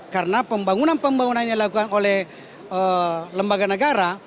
karena pembangunan pembangunan yang dilakukan oleh lembaga negara